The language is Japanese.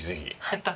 やった！